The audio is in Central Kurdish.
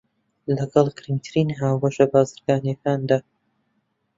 لەگەڵ گرنگترین هاوبەشە بازرگانییەکانیدا